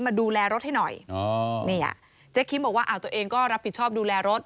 มาดูแลรถให้หน่อยเจ๊คิมบอกว่าตัวเองก็รับผิดชอบดูแลรถ